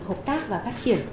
hợp tác và phát triển